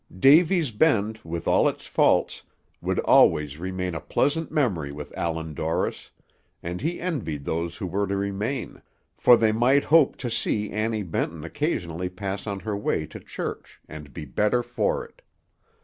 Davy's Bend, with all its faults, would always remain a pleasant memory with Allan Dorris, and he envied those who were to remain, for they might hope to see Annie Benton occasionally pass on her way to church, and be better for it.